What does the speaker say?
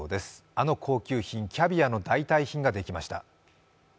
あの高級品、キャビアの代替品ができました。